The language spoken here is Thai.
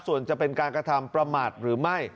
ส่วนจะเป็นการกระทำประมาทหรือไม่